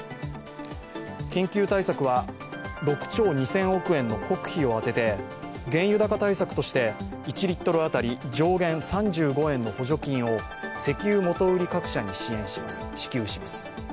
緊急対策は６兆２０００億円の国費を充てて原油高対策として１リットル当たり上限３５円の補助金を石油元売り各社に支給します。